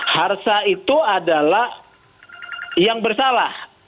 harsa itu adalah yang bersalah